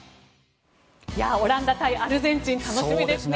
オランダ対アルゼンチン楽しみですね。